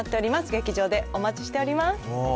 劇場でお待ちしております。